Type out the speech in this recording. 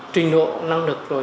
trình độ năng lực rồi